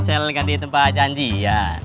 mami selalu ganti tempat janjian